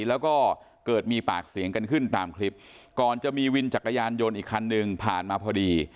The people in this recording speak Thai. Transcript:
แล้วก็เกิดมีปากเสียงกันขึ้นตามคลิปก่อนจะมีวินจักรยานยนต์อีกคันหนึ่งผ่านมาพอดี